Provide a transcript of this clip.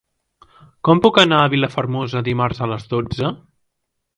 Com puc anar a Vilafermosa dimarts a les dotze?